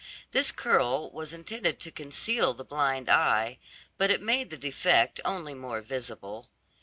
This curl was intended to conceal the blind eye, but it made the defect only more visible.